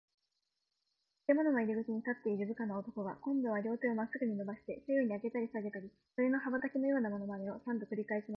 建物の入口に立っている部下の男が、こんどは両手をまっすぐにのばして、左右にあげたりさげたり、鳥の羽ばたきのようなまねを、三度くりかえしました。